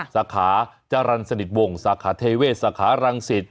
สาขาจรรย์สนิทวงศ์สาขาเทเวชสาขารังสิทธิ์